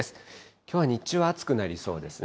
きょうは日中暑くなりそうですね。